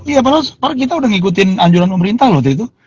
iya padahal kita udah ngikutin anjuran pemerintah waktu itu